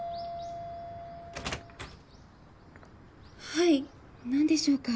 はい何でしょうか？